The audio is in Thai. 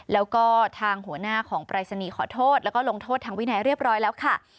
แล้วก็ทางหัวหน้าของปรายศนีย์ขอโทษแล้วก็ลงโทษทางวินัยเรียบร้อยแล้วค่ะ